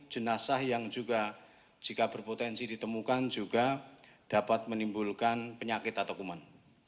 jenazah yang juga jika berpotensi ditemukan juga dapat menimbulkan penyakit atau kuman